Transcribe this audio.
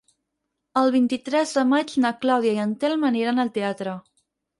El vint-i-tres de maig na Clàudia i en Telm aniran al teatre.